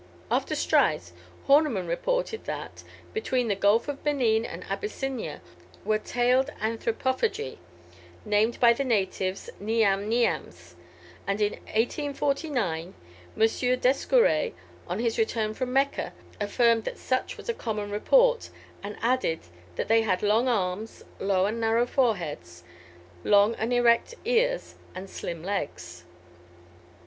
" After Struys, Hornemann reported that, between the Gulf of Benin and Abyssinia, were tailed anthropophagi, named by the natives Niam niams; and in 1849, M. Descouret, on his return from Mecca, affirmed that such was a common report, and added that they had long arms, low and narrow foreheads, long and erect ears, and slim legs.